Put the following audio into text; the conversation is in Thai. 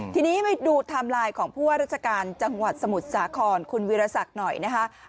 ทีนี้ไปดูไทม์ไลน์ของผู้ว่าราชการจังหวัดสมุทรสาครคุณวิรสักหน่อยนะคะ